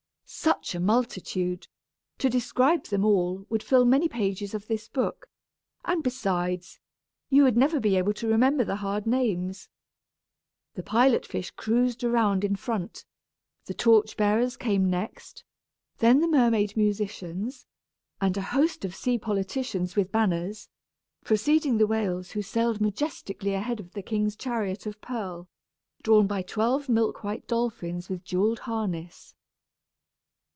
Such a multitude! To describe them all would fill many pages of this book; and besides, you would never be able to remember the hard names. The pilot fish cruised around in front, the torch bearers came next, then the mermaid musicians, and a host of sea politicians with banners, preceding the whales who sailed majestically ahead of the king's chariot of pearl, drawn by twelve milk white dolphins with jewelled harness.